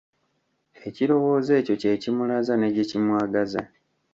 Ekirowozo ekyo gye kimulaza ne kye kimwagaza .